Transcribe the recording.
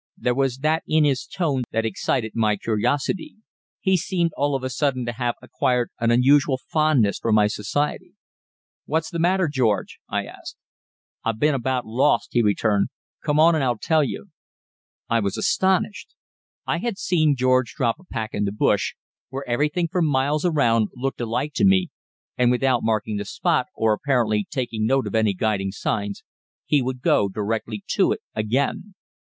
There was that in his tone that excited my curiosity; he seemed all of a sudden to have acquired an unusual fondness for my society. "What's the matter, George?" I asked. "I've been about lost," he returned. "Come on and I'll tell you." I was astonished. I had seen George drop a pack in the bush, where everything for miles around looked alike to me, and without marking the spot or apparently taking note of any guiding signs, he would go directly to it again.